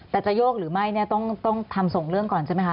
แต่จะโยกหรือไม่เนี่ยต้องทำส่งเรื่องก่อนใช่ไหมคะ